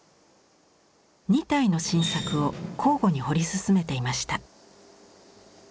２体の新作を交互に彫り進めていました。